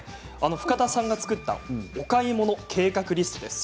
深田さんが作ったお買い物計画リストです。